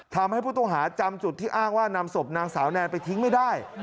ทำให้ผู้ต้องหาจำจุดที่อ้างว่านำศพนางสาวแนนไปทิ้งไม่ได้